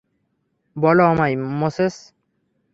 বলো আমায়, মোসেস।